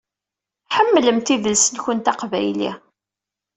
Ḥemmlemt idles-nkent aqbayli.